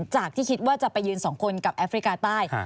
ที่คิดว่าจะไปยืนสองคนกับแอฟริกาใต้